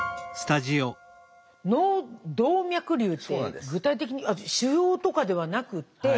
脳動脈瘤って具体的に腫瘍とかではなくって？